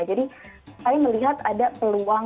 jadi saya melihat ada peluang